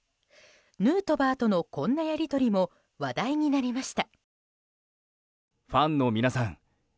ヌートバーとのこんなやり取りも話題になりました。